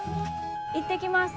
行ってきます。